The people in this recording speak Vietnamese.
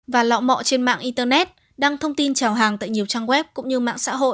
và lọ mọ trên mạng internet đăng thông tin trào hàng tại nhiều trang web cũng như mạng xã hội